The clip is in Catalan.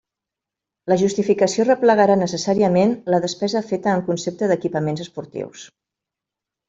La justificació replegarà necessàriament la despesa feta en concepte d'equipaments esportius.